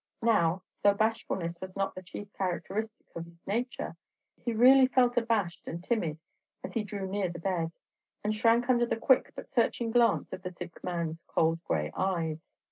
Now, though bashful ness was not the chief characteristic of his nature, he really felt abashed and timid as he drew near the bed, and shrank under the quick but searching glance of the sick man's cold gray eyes.